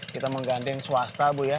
kita menggandeng swasta bu ya